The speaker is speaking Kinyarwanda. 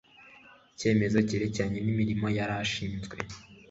icyemezo cyerekeranye n'imirimo yari ashinzwe